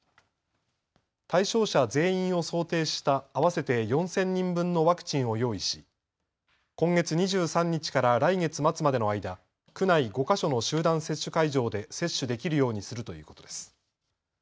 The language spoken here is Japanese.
対象者全員を想定した合わせて４０００人分のワクチンを用意し、今月２３日から来月末までの間、区内５か所の集団接種会場で接種できるようにするということです。